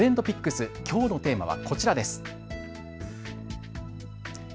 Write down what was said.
きょうのテーマはこちらです。